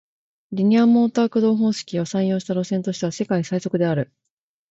リニアモーター駆動方式を採用した路線としては世界最速である